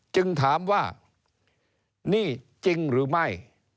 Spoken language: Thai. จึงถามว่านี่จริงหรือไม่